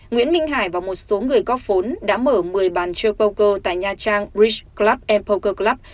nguyễn minh hải và một số người có phốn đã mở một mươi bàn chơi poker tại nha trang bridge club poker club